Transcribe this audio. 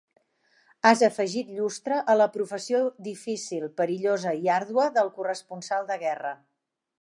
Has afegit llustre a la professió difícil, perillosa i àrdua del corresponsal de guerra.